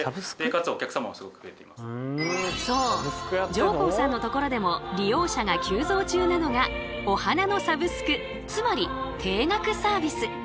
上甲さんのところでも利用者が急増中なのがお花のサブスクつまり定額サービス。